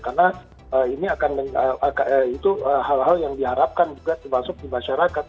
karena ini akan hal hal yang diharapkan juga termasuk di masyarakat